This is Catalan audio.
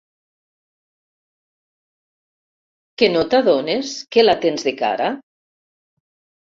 Que no t'adones que la tens de cara?